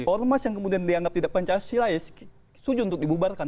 ormas yang kemudian dianggap tidak pancasila ya setuju untuk dibubarkan